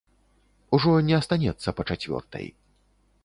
Ужо не астанецца па чацвёртай.